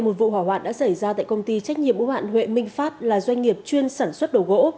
một vụ hỏa hoạn đã xảy ra tại công ty trách nhiệm ưu hạn huệ minh phát là doanh nghiệp chuyên sản xuất đồ gỗ